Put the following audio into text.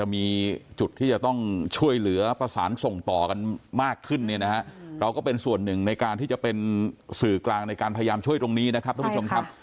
มากขึ้นเราก็เป็นส่วนหนึ่งในการที่จะเป็นสื่อกลางในการพยายามช่วยตรงนี้นะครับท่านผู้ชมครับ